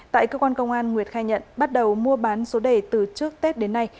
tại cơ quan công an nguyệt khai nhận bắt đầu mua bán số đề từ trước tết đến nay